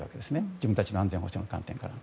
自分たちの安全保障の観点から。